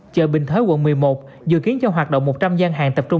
chợ bình thới quận một mươi một dự kiến cho hoạt động một trăm linh gian hàng tập trung